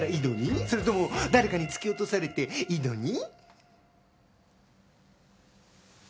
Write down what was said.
それとも誰かに突き落とされて井戸に？